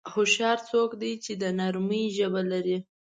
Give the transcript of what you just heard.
هوښیار څوک دی چې د نرمۍ ژبه لري.